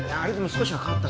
少し変わった？